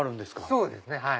そうですねはい。